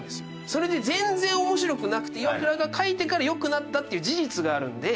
それで全然面白くなくてイワクラが書いてから良くなったっていう事実があるので。